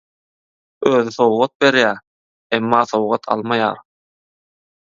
Özi sowgat berýär, emma sowgat almaýar.